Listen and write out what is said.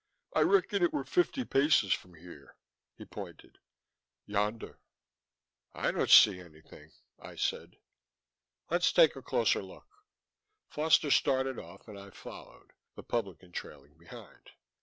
I reckon it were fifty paces from here " he pointed, " yonder." "I don't see anything," I said. "Let's take a closer look." Foster started off and I followed, the publican trailing behind.